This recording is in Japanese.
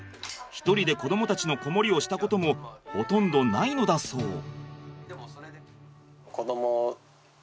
一人で子どもたちの子守りをしたこともほとんどないのだそう。